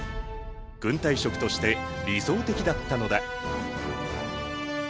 軍隊食として理想的だったのだ。